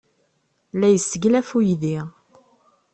La yesseglaf uydi.